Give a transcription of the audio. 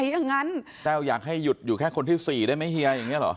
อยากให้เต้าหยุดอยู่แค่คนที่๔ได้มั้ยเฮีย